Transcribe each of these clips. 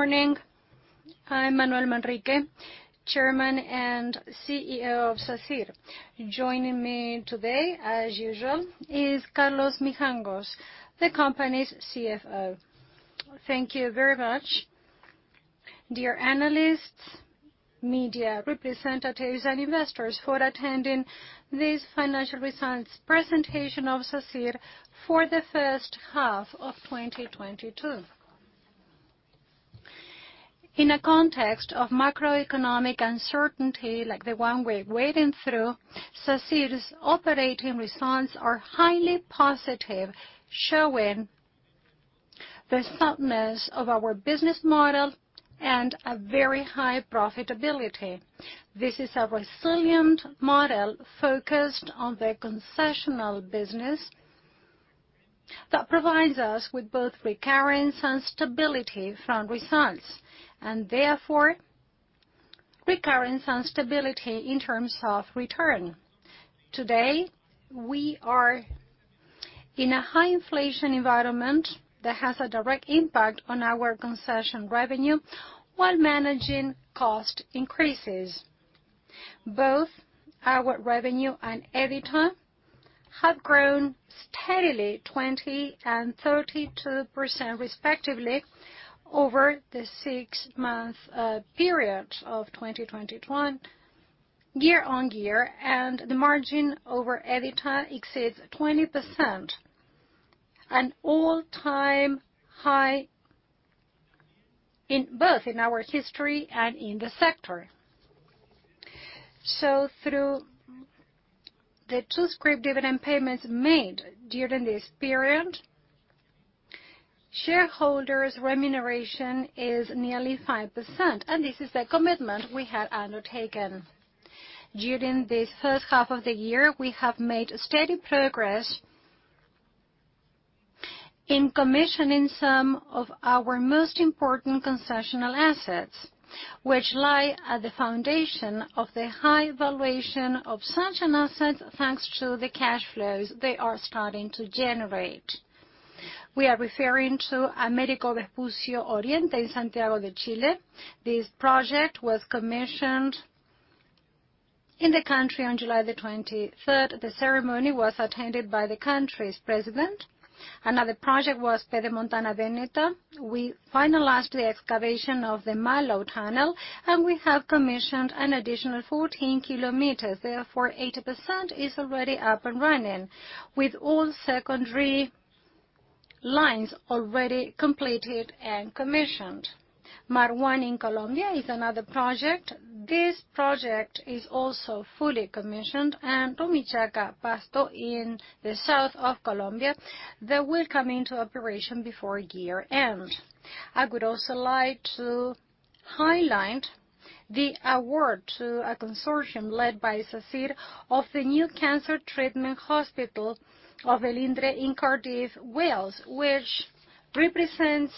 Morning. I'm Manuel Manrique, Chairman and CEO of Sacyr. Joining me today, as usual, is Carlos Mijangos, the company's CFO. Thank you very much, dear analysts, media representatives, and investors for attending this financial results presentation of Sacyr for the first half of 2022. In a context of macroeconomic uncertainty like the one we're wading through, Sacyr's operating results are highly positive, showing the soundness of our business model and a very high profitability. This is a resilient model focused on the concessional business that provides us with both recurrence and stability from results, and therefore recurrence and stability in terms of return. Today, we are in a high inflation environment that has a direct impact on our concession revenue while managing cost increases. Both our revenue and EBITDA have grown steadily 20% and 32% respectively over the six-month period of 2021 year-on-year, and the margin over EBITDA exceeds 20%, an all-time high, both in our history and in the sector. Through the two scrip dividend payments made during this period, shareholders remuneration is nearly 5%, and this is the commitment we have undertaken. During this first half of the year, we have made steady progress in commissioning some of our most important concession assets, which lie at the foundation of the high valuation of such an asset, thanks to the cash flows they are starting to generate. We are referring to Américo Vespucio Oriente in Santiago de Chile. This project was commissioned in the country on July 23rd. The ceremony was attended by the country's president. Another project was Pedemontana-Veneta. We finalized the excavation of the Malo Tunnel, and we have commissioned an additional 14 km. Therefore, 80% is already up and running, with all secondary lines already completed and commissioned. Mar 1 in Colombia is another project. This project is also fully commissioned. Rumichaca-Pasto in the south of Colombia, that will come into operation before year-end. I would also like to highlight the award to a consortium led by Sacyr of the Velindre Cancer Centre in Cardiff, Wales, which represents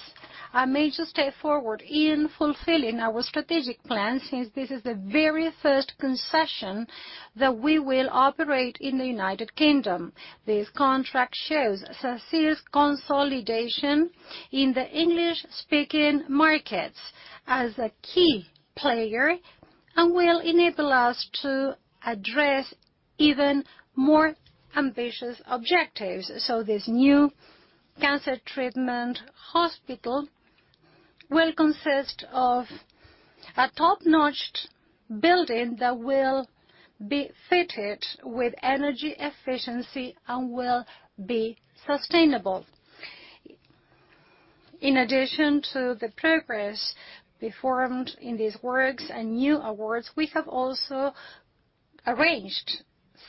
a major step forward in fulfilling our strategic plan, since this is the very first concession that we will operate in the United Kingdom. This contract shows Sacyr's consolidation in the English-speaking markets as a key player and will enable us to address even more ambitious objectives. This new cancer treatment hospital will consist of a top-notch building that will be fitted with energy efficiency and will be sustainable. In addition to the progress performed in these works and new awards, we have also arranged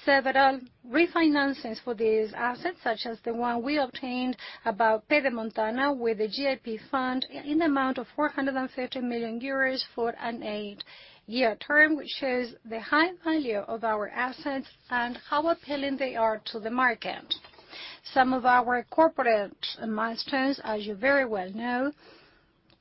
several refinancings for these assets, such as the one we obtained about Pedemontana-Veneta with the GIP fund in the amount of 450 million euros for an eight-year term, which shows the high value of our assets and how appealing they are to the market. Some of our corporate milestones, as you very well know,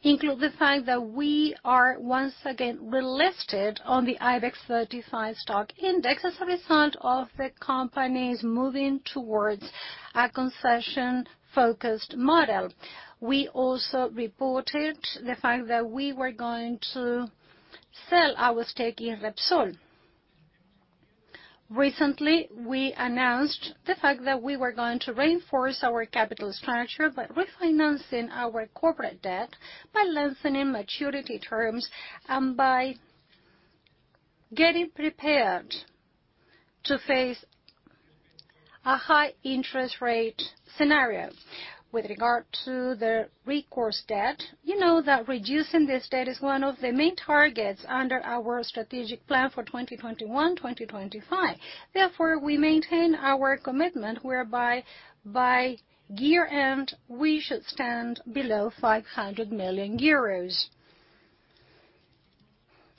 include the fact that we are once again relisted on the IBEX 35 stock index as a result of the companies moving towards a concession-focused model. We also reported the fact that we were going to sell our stake in Repsol. Recently, we announced the fact that we were going to reinforce our capital structure by refinancing our corporate debt, by lengthening maturity terms, and by getting prepared to face a high interest rate scenario. With regard to the recourse debt, you know that reducing this debt is one of the main targets under our strategic plan for 2021-2025. Therefore, we maintain our commitment whereby by year-end, we should stand below 500 million euros.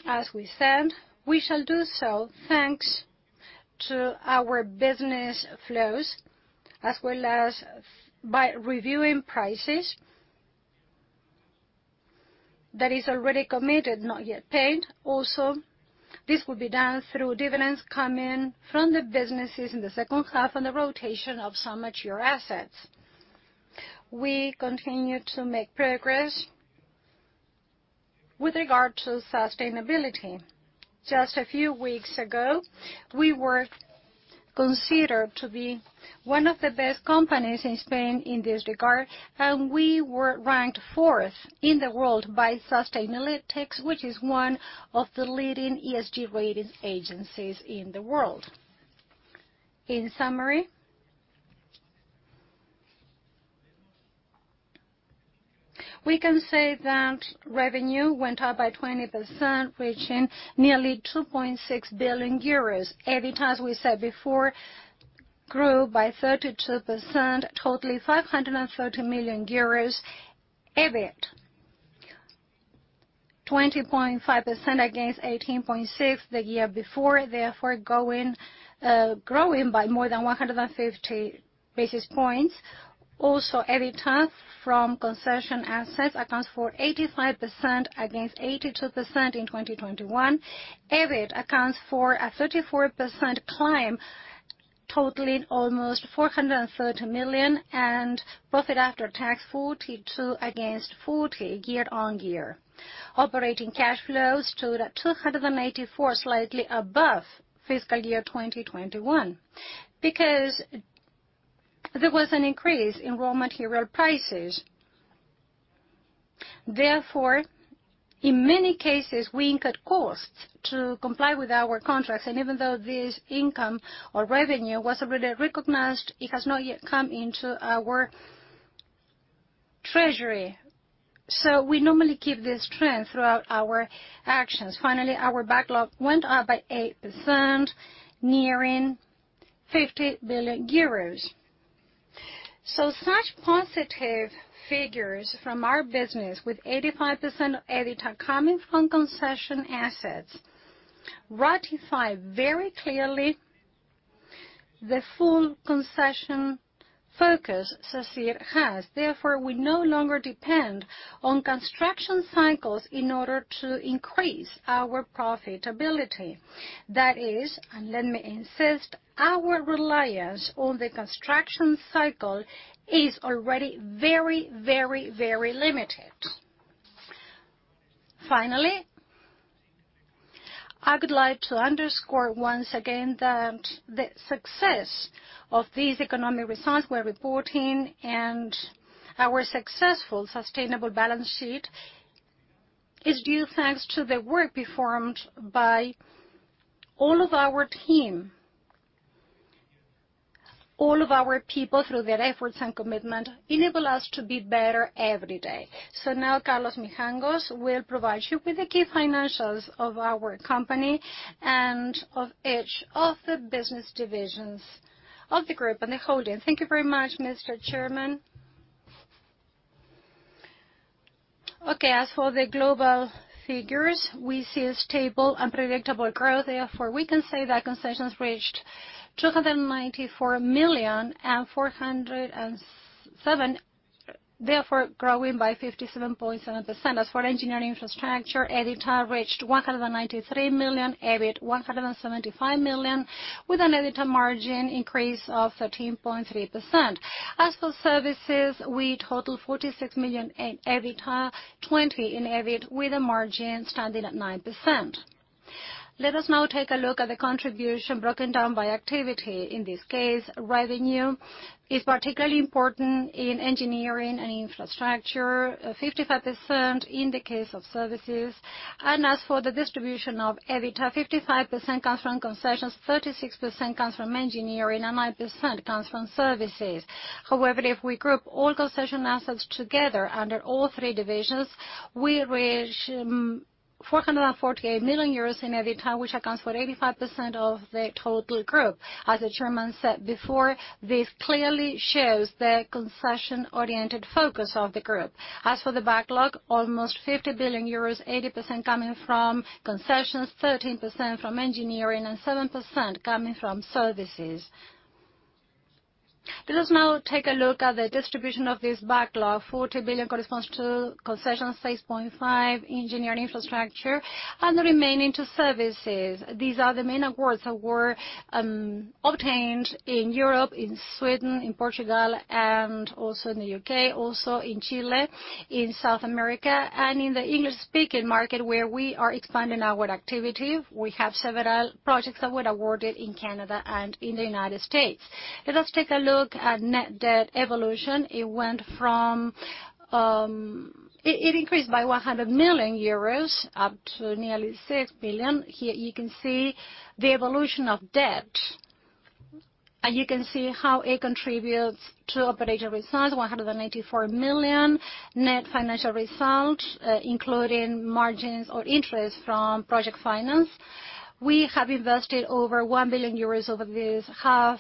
As we said, we shall do so thanks to our cash flows, as well as by receiving payments that are already committed, not yet paid. This will be done through dividends coming from the businesses in the second half and the rotation of some mature assets. We continue to make progress with regard to sustainability. Just a few weeks ago, we were considered to be one of the best companies in Spain in this regard, and we were ranked fourth in the world by Sustainalytics, which is one of the leading ESG ratings agencies in the world. In summary, we can say that revenue went up by 20%, reaching nearly 2.6 billion euros. EBITDA, as we said before, grew by 32%, totaling EUR 530 million. EBIT, 20.5% against 18.6% the year before, therefore going, growing by more than 150 basis points. Also, EBITDA from concession assets accounts for 85% against 82% in 2021. EBIT accounts for a 34% climb, totaling almost 430 million. Profit after tax, 42 million against 40 million year-on-year. Operating cash flows stood at 284, slightly above fiscal year 2021. Because there was an increase in raw material prices, therefore, in many cases, we incurred costs to comply with our contracts. Even though this income or revenue was already recognized, it has not yet come into our treasury. We normally keep this trend throughout our actions. Finally, our backlog went up by 8%, nearing 50 billion euros. Such positive figures from our business, with 85% of EBITDA coming from concession assets, ratify very clearly the full concession focus Sacyr has. Therefore, we no longer depend on construction cycles in order to increase our profitability. That is, and let me insist, our reliance on the construction cycle is already very, very, very limited. Finally, I would like to underscore once again that the success of these economic results we're reporting and our successful sustainable balance sheet is due thanks to the work performed by all of our team. All of our people, through their efforts and commitment, enable us to be better every day. Now Carlos Mijangos will provide you with the key financials of our company and of each of the business divisions of the group and the holding. Thank you very much, Mr. Chairman. Okay, as for the global figures, we see a stable and predictable growth. Therefore, we can say that concessions reached 294.407 million, therefore growing by 57.7%. As for engineering infrastructure, EBITDA reached 193 million, EBIT 175 million, with an EBITDA margin increase of 13.3%. As for services, we totaled 46 million in EBITDA, 20 million in EBIT, with the margin standing at 9%. Let us now take a look at the contribution broken down by activity. In this case, revenue is particularly important in engineering and infrastructure, 55% in the case of services. As for the distribution of EBITDA, 55% comes from concessions, 36% comes from engineering, and 9% comes from services. However, if we group all concession assets together under all three divisions, we reach 448 million euros in EBITDA, which accounts for 85% of the total group. As the chairman said before, this clearly shows the concession-oriented focus of the group. As for the backlog, almost 50 billion euros, 80% coming from concessions, 13% from engineering, and 7% coming from services. Let us now take a look at the distribution of this backlog. 40 billion corresponds to concessions, 6.5 billion engineering infrastructure, and the remaining to services. These are the main awards that were obtained in Europe, in Sweden, in Portugal, and also in the U.K., also in Chile, in South America, and in the English-speaking market, where we are expanding our activity. We have several projects that were awarded in Canada and in the United States. Let us take a look at net debt evolution. It increased by 100 million euros, up to nearly 6 billion. Here you can see the evolution of debt, and you can see how it contributes to operating results, 184 million. Net financial results, including margins or interest from project finance. We have invested over 1 billion euros over this half,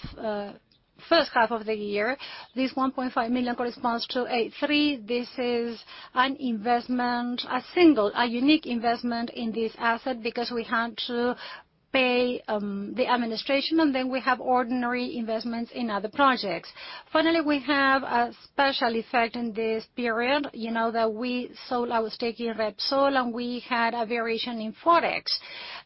first half of the year. This 1.5 million corresponds to A3. This is an investment, a single, a unique investment in this asset because we had to pay the administration, and then we have ordinary investments in other projects. Finally, we have a special effect in this period. You know that we sold our stake in Repsol, and we had a variation in Forex.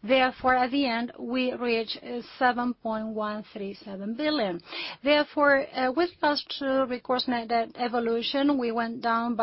Therefore, at the end, we reached 7.137 billion. Therefore, with faster recourse net debt evolution, we went down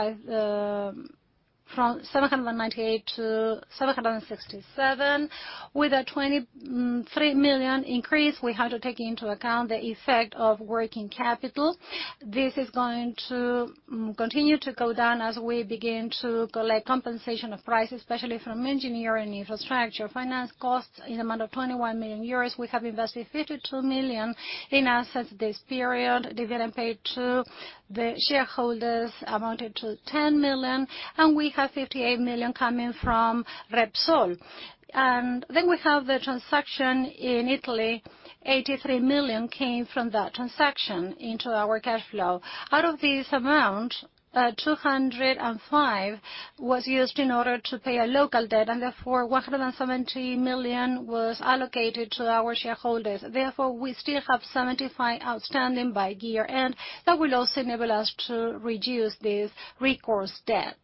from 798 to 767. With a 23 million increase, we had to take into account the effect of working capital. This is going to continue to go down as we begin to collect compensation of prices, especially from engineering infrastructure. Finance costs in the amount of 21 million euros. We have invested 52 million in assets this period. Dividend paid to the shareholders amounted to 10 million, and we have 58 million coming from Repsol. We have the transaction in Italy. 83 million came from that transaction into our cash flow. Out of this amount, 205 was used in order to pay a local debt, and therefore 170 million was allocated to our shareholders. Therefore, we still have 75 outstanding by year, and that will also enable us to reduce this recourse debt.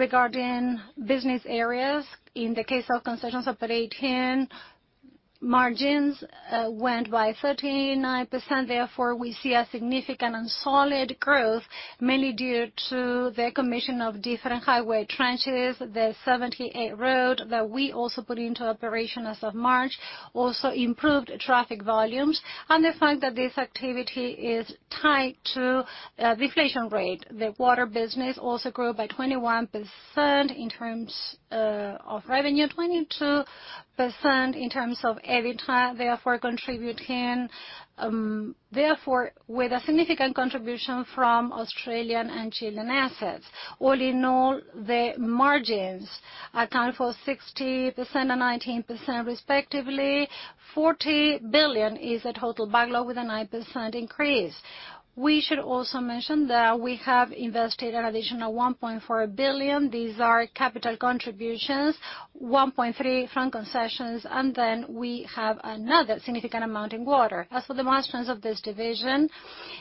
Regarding business areas, in the case of Concesiones operate here, margins went by 39%. Therefore, we see a significant and solid growth, mainly due to the commission of different highway concessions. The Route 78 road that we also put into operation as of March also improved traffic volumes and the fact that this activity is tied to the inflation rate. The water business also grew by 21% in terms of revenue, 22% in terms of EBITDA, therefore contributing with a significant contribution from Australian and Chilean assets. All in all, the margins account for 60% and 19% respectively. 40 billion is the total backlog with a 9% increase. We should also mention that we have invested an additional 1.4 billion. These are capital contributions, EUR 1.3 billion from Concessions, and then we have another significant amount in water. As for the milestones of this division,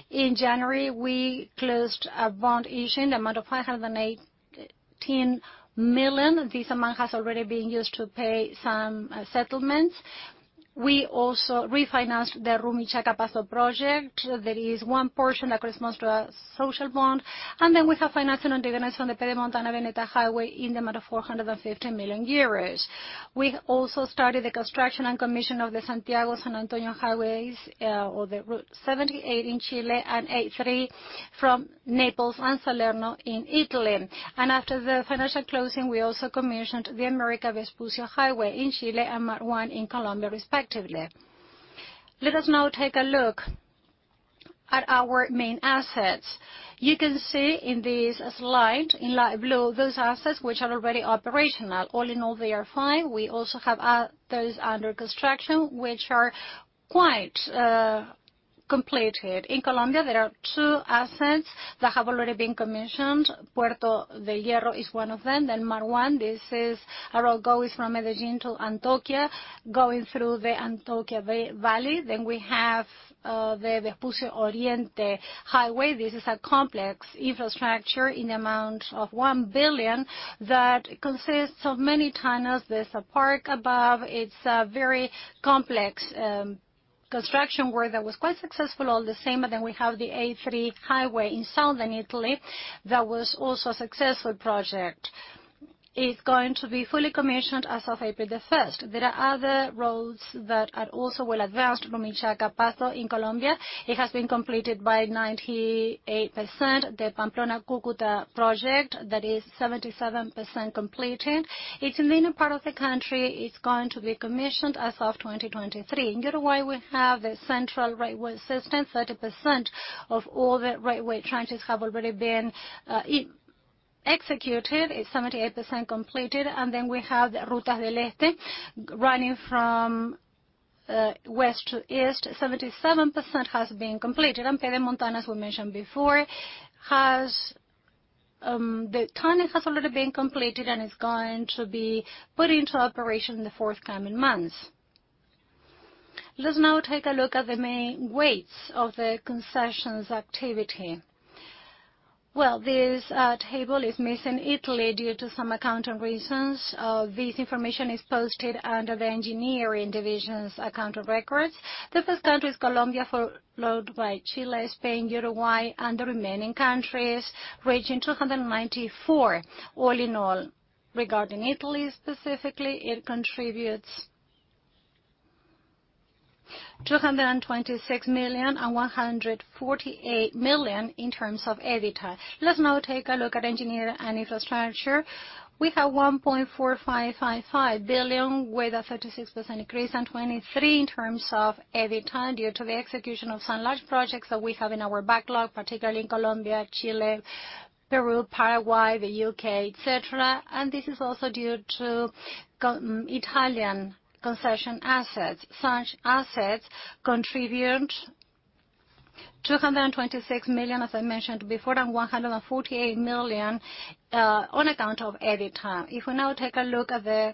in January, we closed a bond issue in the amount of 518 million. This amount has already been used to pay some settlements. We also refinanced the Rumichaca-Pasto project. There is one portion that corresponds to a social bond. We have financing and dividend on the Pedemontana-Veneta highway in the amount of 450 million euros. We also started the construction and commission of the Santiago-San Antonio highways, or the Route 78 in Chile and A3 from Naples and Salerno in Italy. After the financial closing, we also commissioned the Américo Vespucio Highway in Chile and Mar 1 in Colombia respectively. Let us now take a look at our main assets. You can see in this slide, in light blue those assets which are already operational. All in all, they are fine. We also have those under construction which are quite completed. In Colombia, there are two assets that have already been commissioned. Puerta de Hierro is one of Mar 1, this is a road goes from Medellín to Antioquia, going through the Aburrá Valley. We have the Vespucio Oriente highway. This is a complex infrastructure in the amount of 1 billion that consists of many tunnels. There's a park above. It's a very complex construction work that was quite successful all the same. We have the A3 highway in southern Italy that was also a successful project. It's going to be fully commissioned as of April 1st. There are other roads that are also well advanced. Rumichaca-Pasto in Colombia, it has been completed by 98%. The Pamplona-Cúcuta project, that is 77% completed. It's in the inner part of the country. It's going to be commissioned as of 2023. In Uruguay, we have the central railway system. 30% of all the railway trenches have already been executed. It's 78% completed. We have the Rutas del Este running from west to east. 77% has been completed. Pedemontana, as we mentioned before, the tunnel has already been completed and is going to be put into operation in the forthcoming months. Let's now take a look at the main weights of the concessions activity. This table is missing Italy due to some accounting reasons. This information is posted under the engineering division's accounting records. The first country is Colombia, followed by Chile, Spain, Uruguay, and the remaining countries, ranging 294 all in all. Regarding Italy specifically, it contributes 226 million and 148 million in terms of EBITDA. Let's now take a look at engineering and infrastructure. We have 1.4555 billion, with a 36% increase and 23% in terms of EBITDA, due to the execution of some large projects that we have in our backlog, particularly in Colombia, Chile, Peru, Paraguay, the U.K., etc. This is also due to our Italian concession assets. Such assets contribute 226 million, as I mentioned before, and 148 million on account of EBITDA. If we now take a look at the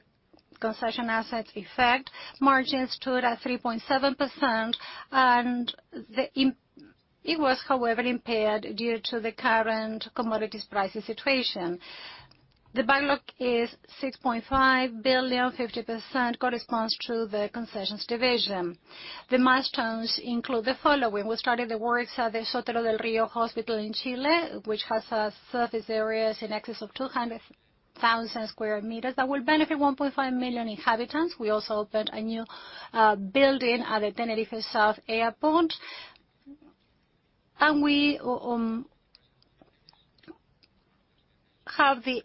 concession assets effect, margins stood at 3.7%. It was, however, impaired due to the current commodities pricing situation. The backlog is 6.5 billion, 50% corresponds to the concessions division. The milestones include the following. We started the works at the Hospital Dr. Sótero del Río in Chile, which has surface areas in excess of 200,000 sq m that will benefit 1.5 million inhabitants. We also opened a new building at the Tenerife South Airport. We have the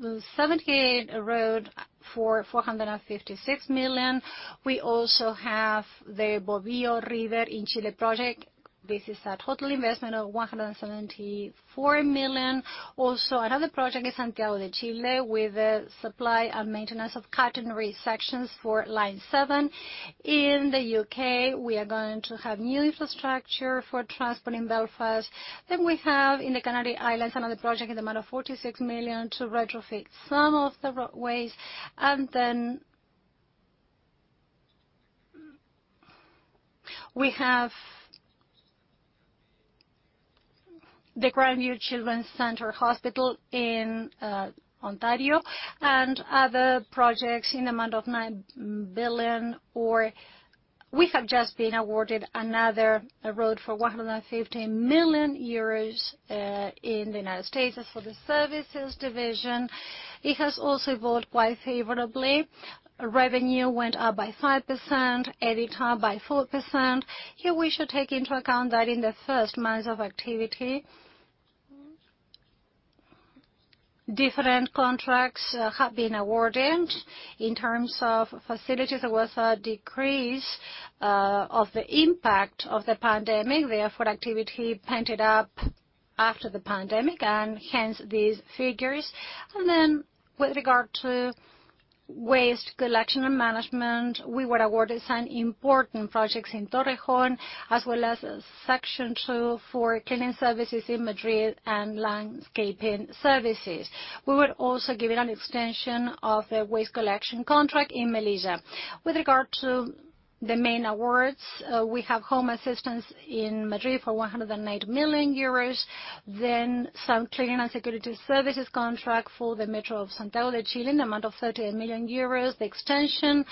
Route 78 road for 456 million. We also have the Biobío River in Chile project. This is a total investment of 174 million. Another project is Santiago de Chile, with the supply and maintenance of catenary sections for line 7. In the U.K., we are going to have new infrastructure for transport in Belfast. We have in the Canary Islands, another project in the amount of 46 million to retrofit some of the roadways. We have the Grandview Children's Centre in Ontario and other projects in the amount of 9 billion. We have just been awarded another road for 150 million euros in the United States. As for the services division, it has also evolved quite favorably. Revenue went up by 5%, EBITDA by 4%. Here we should take into account that in the first months of activity, different contracts have been awarded. In terms of facilities, there was a decrease of the impact of the pandemic, therefore activity picked up after the pandemic and hence these figures. With regard to waste collection and management, we were awarded some important projects in Torrejón, as well as section two for cleaning services in Madrid and landscaping services. We were also given an extension of the waste collection contract in Malaysia. With regard to the main awards, we have home assistance in Madrid for 108 million euros. Then some cleaning and security services contract for the Metro de Santiago in the amount of 38 million euros. The extension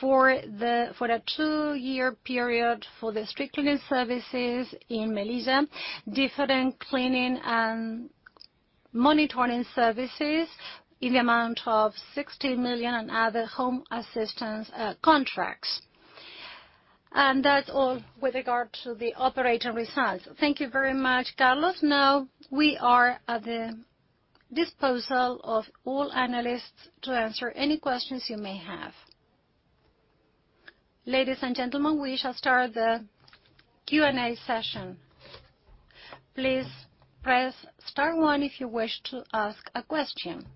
for the two-year period for the street cleaning services in Malaysia, different cleaning and monitoring services in the amount of 60 million and other home assistance contracts. That's all with regard to the operating results. Thank you very much, Carlos. Now we are at the disposal of all analysts to answer any questions you may have. Ladies and gentlemen, we shall start the Q&A session. Please press star one if you wish to ask a question.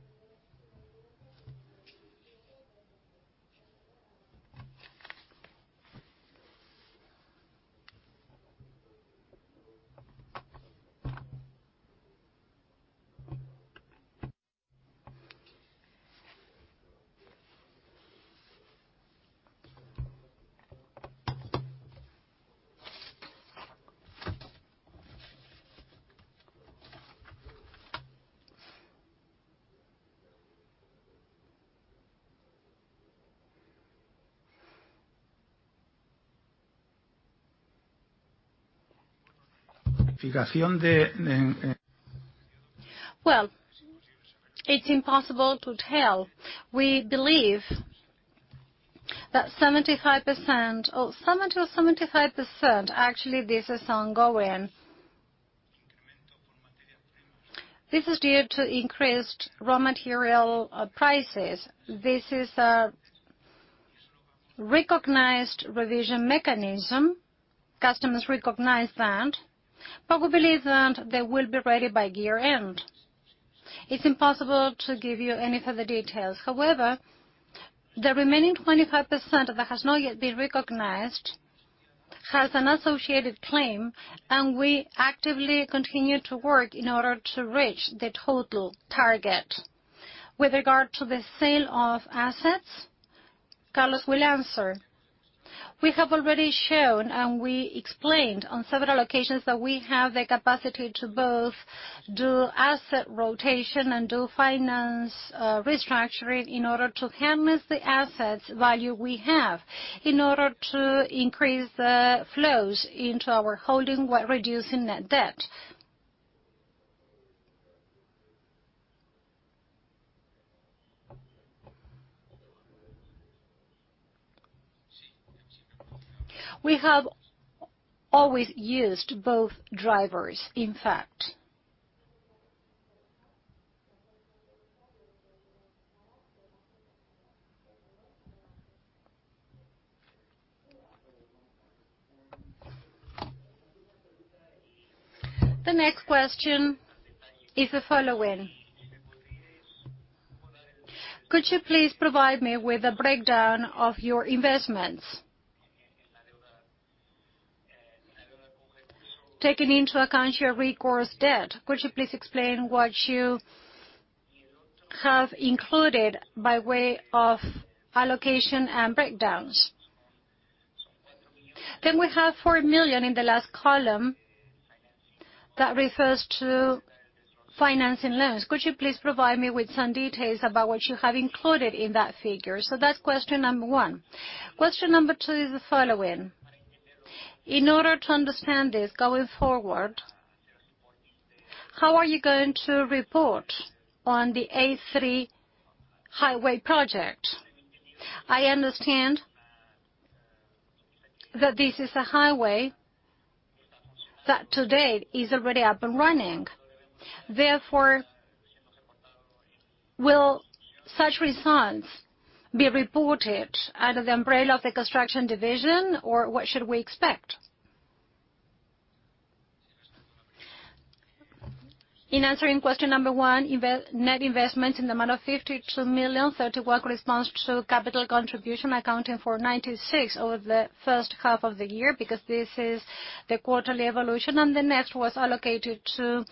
Well, it's impossible to tell. We believe that 75% or 70%-75% actually this is ongoing. This is due to increased raw material prices. This is a recognized revision mechanism. Customers recognize that. We believe that they will be ready by year-end. It's impossible to give you any further details. However, the remaining 25% that has not yet been recognized has an associated claim, and we actively continue to work in order to reach the total target. With regard to the sale of assets, Carlos will answer. We have already shown and we explained on several occasions that we have the capacity to both do asset rotation and do financial restructuring in order to harness the assets value we have in order to increase the flows into our holding while reducing net debt. We have always used both drivers, in fact. The next question is the following. Could you please provide me with a breakdown of your investments? Taking into account your recourse debt, could you please explain what you have included by way of allocation and breakdowns? We have 4 million in the last column that refers to financing loans. Could you please provide me with some details about what you have included in that figure? That's question number one. Question number two is the following: In order to understand this going forward, how are you going to report on the A3 highway project? I understand that this is a highway that to date is already up and running. Therefore, will such results be reported under the umbrella of the construction division or what should we expect? In answering question number one, net investment in the amount of 52 million corresponds to capital contribution accounting for 96% over the first half of the year, because this is the quarterly evolution, and the net was allocated to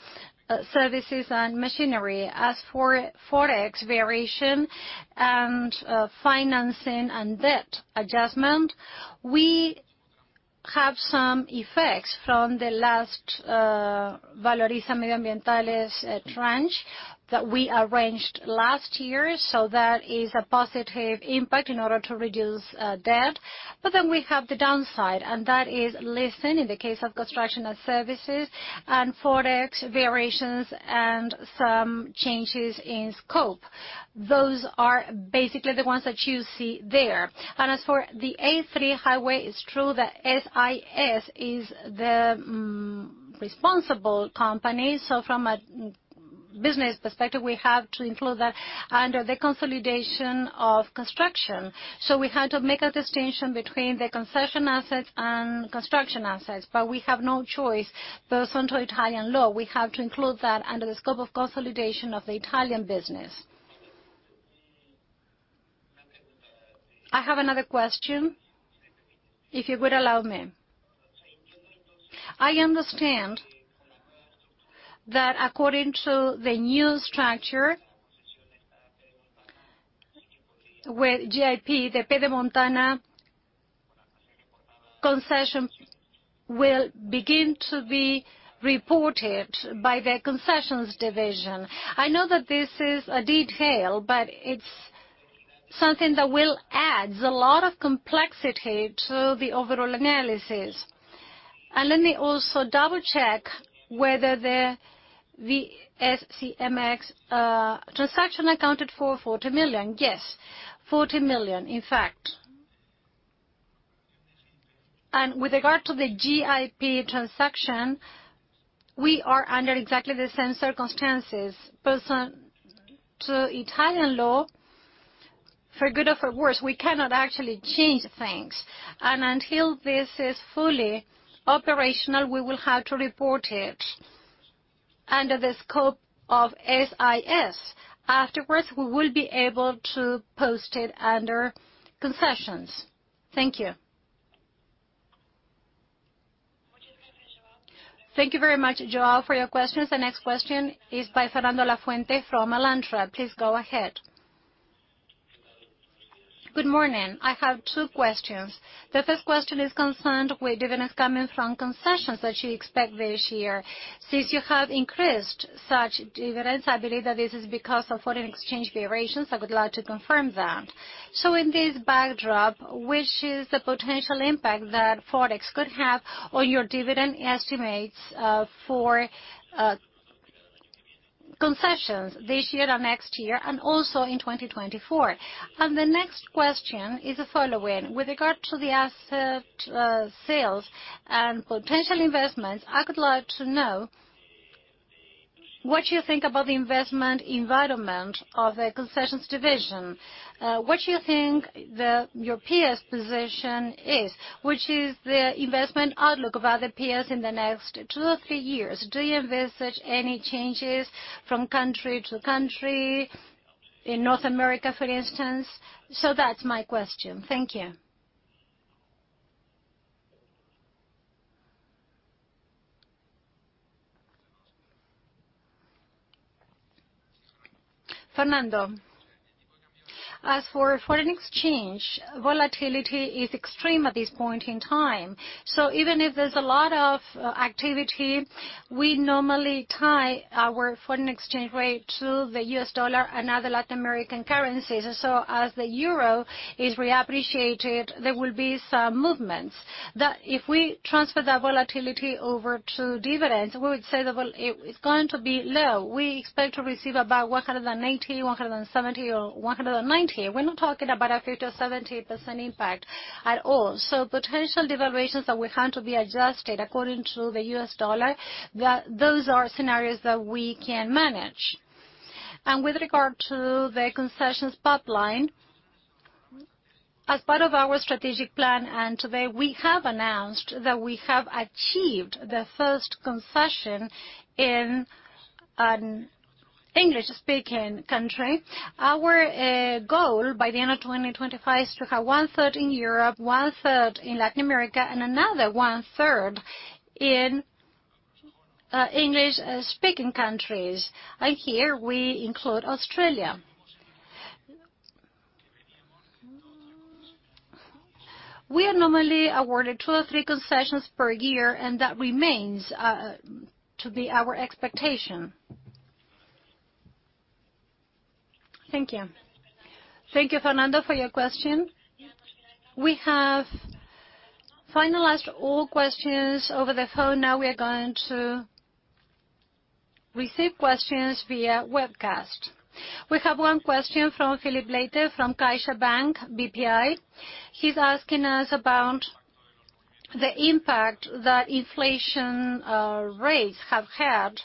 services and machinery. As for Forex variation and financing and debt adjustment, we have some effects from the last Valoriza Medioambiente tranche that we arranged last year. That is a positive impact in order to reduce debt. We have the downside, and that is listed in the case of construction and services and Forex variations and some changes in scope. Those are basically the ones that you see there. As for the A3 highway, it's true that SIS is the responsible company. From a business perspective, we have to include that under the consolidation of construction. We had to make a distinction between the concession assets and construction assets. We have no choice. Pursuant to Italian law, we have to include that under the scope of consolidation of the Italian business. I have another question, if you would allow me. I understand that according to the new structure, where GIP, the Pedemontana-Veneta concession will begin to be reported by the concessions division. I know that this is a detail, but it's something that will add a lot of complexity to the overall analysis. Let me also double-check whether the VSCMX transaction accounted for 40 million. Yes, 40 million, in fact. With regard to the GIP transaction, we are under exactly the same circumstances. Pursuant to Italian law, for good or for worse, we cannot actually change things. Until this is fully operational, we will have to report it under the scope of SIS. Afterwards, we will be able to post it under concessions. Thank you. Thank you very much, João, for your questions. The next question is by Fernando Lafuente from Alantra. Please go ahead. Good morning. I have two questions. The first question is concerned with dividends coming from concessions that you expect this year. Since you have increased such dividends, I believe that this is because of foreign exchange variations. I would like to confirm that. In this backdrop, which is the potential impact that Forex could have on your dividend estimates, for concessions this year or next year and also in 2024? The next question is the following: With regard to the asset sales and potential investments, I would like to know what you think about the investment environment of the concessions division. What do you think your peers' position is? Which is the investment outlook of other peers in the next two or three years? Do you envisage any changes from country to country, in North America, for instance? That's my question. Thank you. Fernando, as for foreign exchange, volatility is extreme at this point in time. Even if there's a lot of activity, we normally tie our foreign exchange rate to the US dollar and other Latin American currencies. As the euro is reappreciated, there will be some movements. If we transfer that volatility over to dividends, we would say that well, it's going to be low. We expect to receive about 180, 170 or 190. We're not talking about a 50%-70% impact at all. Potential devaluations that will have to be adjusted according to the US dollar, that those are scenarios that we can manage. With regard to the concessions pipeline. As part of our strategic plan, and today we have announced that we have achieved the first concession in an English-speaking country. Our goal by the end of 2025 is to have 1/3 in Europe, 1/3 in Latin America, and another 1/3 in English-speaking countries, and here we include Australia. We are normally awarded two or three concessions per year, and that remains to be our expectation. Thank you. Thank you, Fernando, for your question. We have finalized all questions over the phone. Now we are going to receive questions via webcast. We have one question from Filipe Leite from CaixaBank BPI. He's asking us about the impact that inflation, rates have had,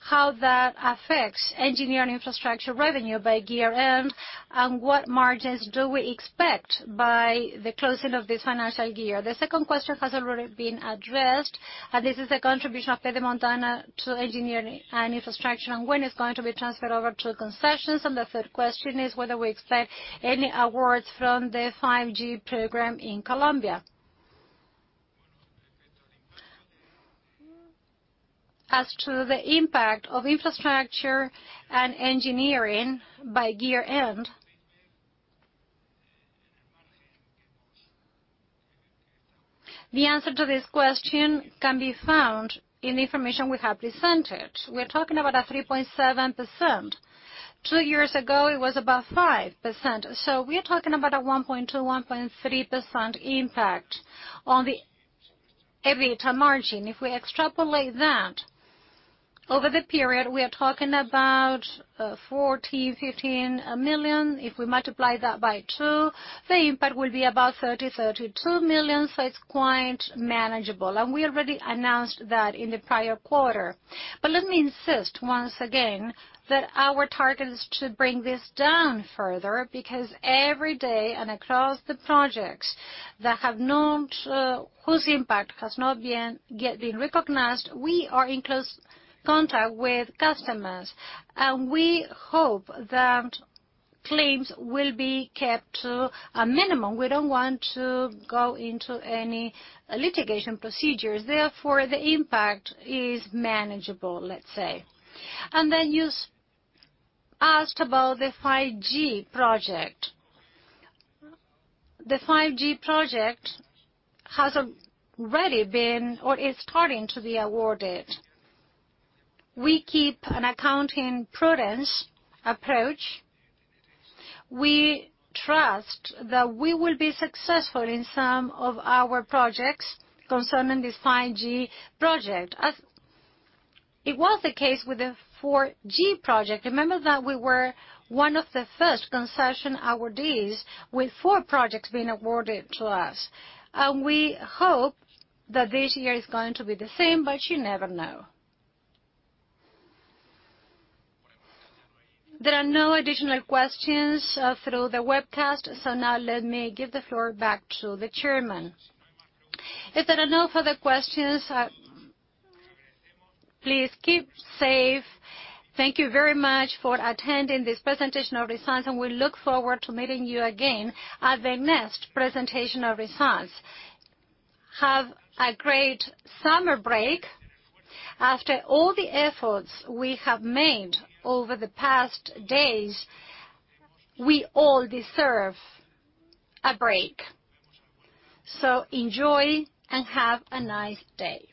how that affects engineering infrastructure revenue by year-end, and what margins do we expect by the closing of this financial year? The second question has already been addressed, and this is a contribution of Pedemontana to engineering and infrastructure, and when it's going to be transferred over to concessions. The third question is whether we expect any awards from the 5G program in Colombia. As to the impact of infrastructure and engineering by year-end, the answer to this question can be found in the information we have presented. We're talking about a 3.7%. Two years ago, it was about 5%. We are talking about a 1.2%-1.3% impact on the EBITDA margin. If we extrapolate that over the period, we are talking about 14 million-15 million. If we multiply that by two, the impact will be about 30 million-32 million, so it's quite manageable. We already announced that in the prior quarter. Let me insist once again that our target is to bring this down further, because every day and across the projects whose impact has not yet been recognized, we are in close contact with customers, and we hope that claims will be kept to a minimum. We don't want to go into any litigation procedures. Therefore, the impact is manageable, let's say. Then you asked about the 5G project. The 5G project has already been or is starting to be awarded. We keep an accounting prudence approach. We trust that we will be successful in some of our projects concerning this 5G project, as it was the case with the 4G project. Remember that we were one of the first concession awardees with four projects being awarded to us. We hope that this year is going to be the same, but you never know. There are no additional questions through the webcast, so now let me give the floor back to the chairman. If there are no further questions, please keep safe. Thank you very much for attending this presentation of results, and we look forward to meeting you again at the next presentation of results. Have a great summer break. After all the efforts we have made over the past days, we all deserve a break. So enjoy and have a nice day.